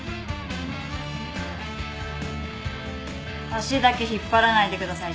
足だけ引っ張らないでください